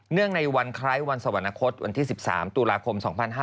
เนื่องในวันไคร้วันสวรรคตวันที่๑๓ตุลาคม๒๕๖๑